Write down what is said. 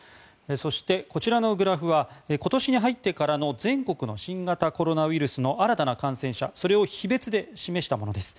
そして、こちらのグラフは今年に入ってからの全国の新型コロナウイルスの新たな感染者それを日別で示したものです。